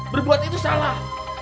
berbuat itu salah